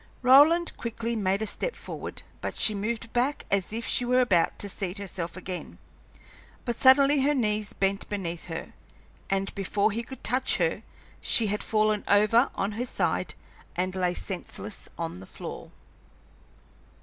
Roland quickly made a step forward, but she moved back as if she were about to seat herself again, but suddenly her knees bent beneath her, and, before he could touch her, she had fallen over on her side and lay senseless on the floor.